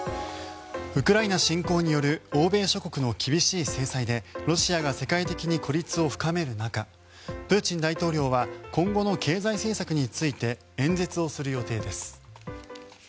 ウクライナ侵攻による欧米諸国の厳しい制裁でロシアが世界的に孤立を深める中プーチン大統領は今後の経済政策について演説をする予定です。